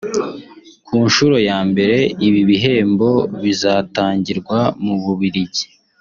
Ku nshuro ya mbere ibi bihembo bizatangirwa mu Bubiligi